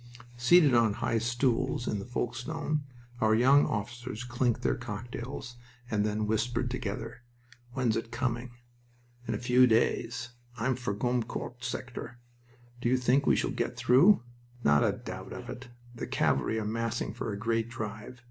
Seated on high stools in the Folkestone, our young officers clinked their cocktails, and then whispered together. "When's it coming?" "In a few days... I'm for the Gommecourt sector." "Do you think we shall get through?" "Not a doubt of it. The cavalry are massing for a great drive.